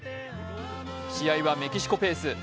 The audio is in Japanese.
試合はメキシコペース。